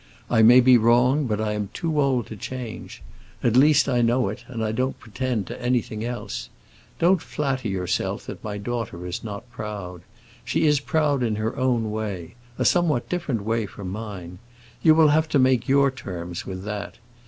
I may be wrong, but I am too old to change. At least I know it, and I don't pretend to anything else. Don't flatter yourself that my daughter is not proud. She is proud in her own way—a somewhat different way from mine. You will have to make your terms with that.